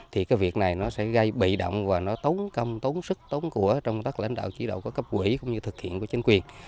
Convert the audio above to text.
thì cái việc này nó sẽ gây bị động và nó tốn công tốn sức tốn của trong các lãnh đạo chỉ đạo của cấp quỹ cũng như thực hiện của chính quyền